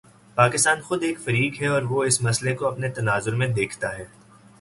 پاکستان خود ایک فریق ہے اور وہ اس مسئلے کو اپنے تناظر میں دیکھتا ہے۔